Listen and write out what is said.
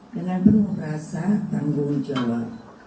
dengan penuh rasa tanggung jawab